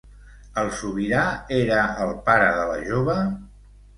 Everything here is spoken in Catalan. El sobirà era el pare de la jove?